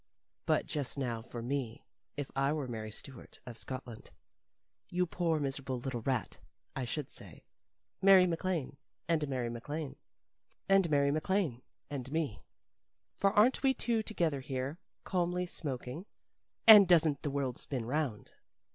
But just now, for me, if I were Mary Stuart of Scotland, you poor miserable little rat, I should say: 'Mary MacLane, And Mary MacLane, And Mary MacLane, And me.' For aren't we two together here, calmly smoking and doesn't the world spin round?"